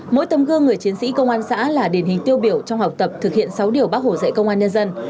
mỗi tấm gương người chiến sĩ công an xã là điển hình tiêu biểu trong học tập thực hiện sáu điều bác hồ dạy công an nhân dân